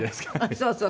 そうそう。